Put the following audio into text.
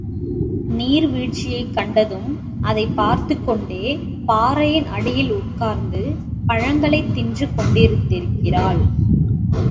நீர் வீழ்ச்சியைக் கண்டதும் அதைப் பார்த்துக்கொண்டே பாறையின் அடியில் உட்கார்ந்து பழங்களைத் தின்று கொண்டிருத்திருக்கிறாள்.